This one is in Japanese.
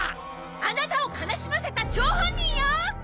あなたを悲しませた張本人よ！